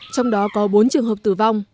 trong đó có bốn trường hợp tử vong